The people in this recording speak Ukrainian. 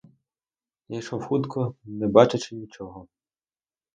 Я йшов хутко, не бачачи нічого.